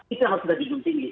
itu yang harus kita diikuti